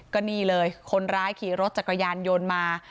ก็นี่เลยคนร้ายขี่รถจักรยานยนต์มา